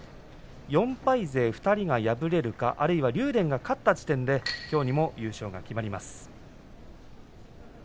４敗勢２人が敗れるか、あるいは竜電が勝った時点できょうにも優勝が決まります。